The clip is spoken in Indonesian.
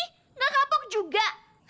nggak kapok juga